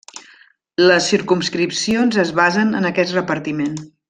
Les circumscripcions es basen en aquest repartiment.